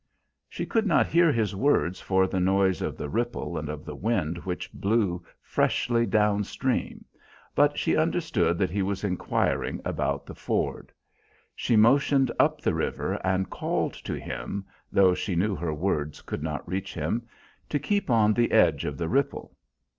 She could not hear his words for the noise of the ripple and of the wind which blew freshly down stream, but she understood that he was inquiring about the ford. She motioned up the river and called to him, though she knew her words could not reach him, to keep on the edge of the ripple.